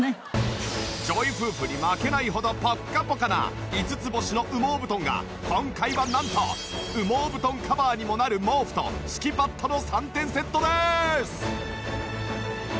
ＪＯＹ夫婦に負けないほどぽっかぽかな５つ星の羽毛布団が今回はなんと羽毛布団カバーにもなる毛布と敷きパッドの３点セットです！